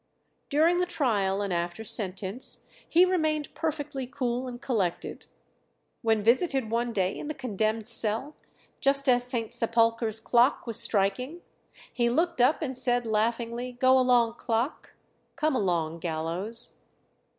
During the trial and after sentence he remained perfectly cool and collected. When visited one day in the condemned cell, just as St. Sepulchre's clock was striking, he looked up and said laughingly, "Go along, clock; come along, gallows."